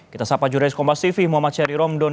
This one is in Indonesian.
kita sahabat jurajurais kompastv muhammad syari romdon